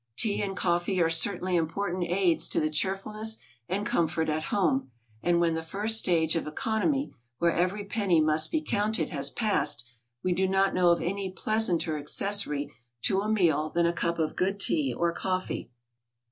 Tea and coffee are certainly important aids to the cheerfulness and comfort of home; and when the first stage of economy, where every penny must be counted, has passed, we do not know of any pleasanter accessory to a meal than a cup of good tea or coffee.